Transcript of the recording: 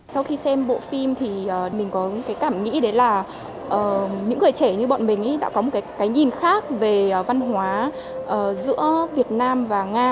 sau khi xem bộ phim thì mình có cái cảm nghĩ đấy là những người trẻ như bọn mình đã có một cái nhìn khác về văn hóa giữa việt nam và nga